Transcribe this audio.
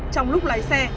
trong lúc lái xe